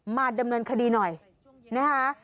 มาดำเนินคดีหน่อยนะคะ